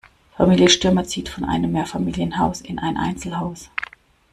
Familie Stürmer zieht von einem Mehrfamilienhaus in ein Einzelhaus.